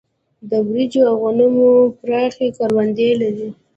د وريجو او غنمو پراخې کروندې لري.